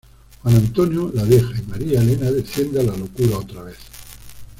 Juan Antonio la deja y María Elena desciende a la locura otra vez.